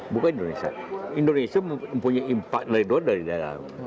bukan indonesia indonesia mempunyai impak dari luar dari dalam